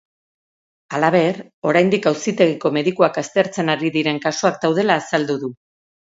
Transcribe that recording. Halaber, oraindik auzitegiko medikuak aztertzen ari diren kasuak daudela azaldu du.